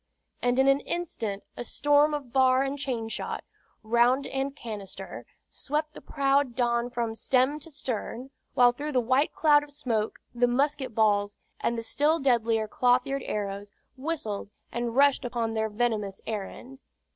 and in an instant a storm of bar and chainshot, round and canister, swept the proud Don from stem to stern, while through the white cloud of smoke the musket balls, and the still deadlier clothyard arrows, whistled and rushed upon their venomous errand.